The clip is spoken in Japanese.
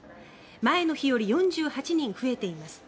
前の日より４８人増えています。